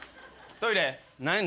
トイレ？